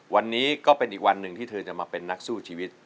วันนี้ก็เป็นอีกวันหนึ่งที่เธอจะมาเป็นนักสู้ชีวิต